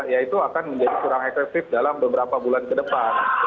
ya itu akan menjadi kurang efektif dalam beberapa bulan ke depan